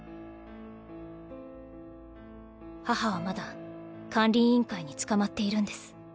母はまだ管理委員会に捕まっているんです。